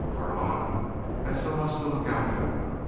Carlotta had so much to look out for.